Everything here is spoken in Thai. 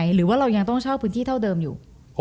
หรือว่าเรายังต้องเช่าพื้นที่เท่าเดิมอยู่